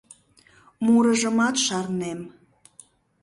Мурыжымат шарнем.